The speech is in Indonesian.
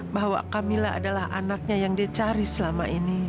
bahwa kamila adalah anaknya yang dia cari selama ini